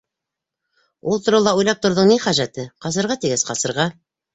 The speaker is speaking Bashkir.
Ул турала уйлап тороуҙың ни хәжәте - ҡасырға тигәс, ҡасырға!